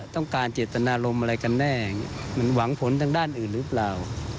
ต้องการเจตนารมณ์อะไรกันแน่มันหวังผลทางด้านอื่นหรือเปล่า